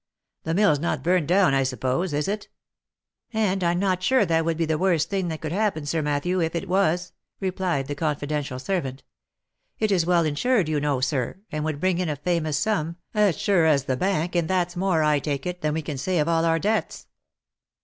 " The mill's not burnt down I suppose, is it V " And I'm not sure that would be the worst thing that could happen Sir Matthew, if it was," replied the confidential servant. " It is well insured you know, sir, and would bring in a famous sum, as sure as the bank, and that's more, I take it, than we can say of all our debts."